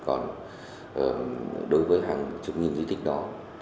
còn đối với hàng chục nghìn di tích đó